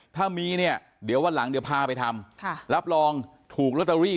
ถ้ามีเนี่ยเดี๋ยววันหลังเดี๋ยวพาไปทำรับรองถูกลอตเตอรี่